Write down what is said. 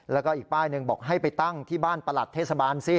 แล้วก็อีกป้ายหนึ่งบอกให้ไปตั้งที่บ้านประหลัดเทศบาลสิ